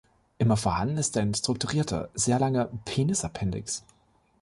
Immer vorhanden ist ein strukturierter, sehr langer Penisappendix.